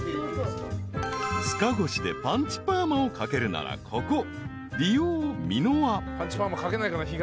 ［塚越でパンチパーマをかけるならここ］